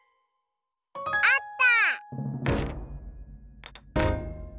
あった！